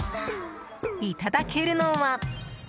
いただけるのは。